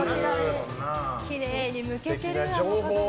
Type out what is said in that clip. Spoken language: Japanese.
きれいにむけてる、アボカドが。